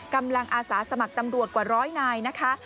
อาสาสมัครตำรวจกว่าร้อยนายนะคะ